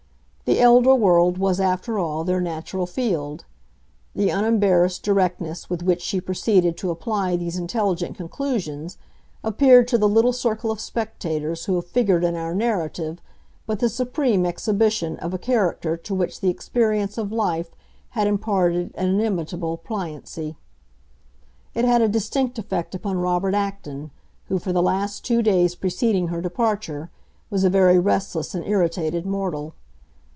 The elder world was, after all, their natural field. The unembarrassed directness with which she proceeded to apply these intelligent conclusions appeared to the little circle of spectators who have figured in our narrative but the supreme exhibition of a character to which the experience of life had imparted an inimitable pliancy. It had a distinct effect upon Robert Acton, who, for the two days preceding her departure, was a very restless and irritated mortal.